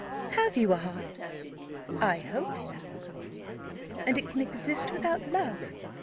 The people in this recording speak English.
"Have you a heart?" "I hope so." "And it can exist without love?